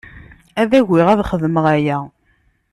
Ad agiɣ ad xedmeɣ aya.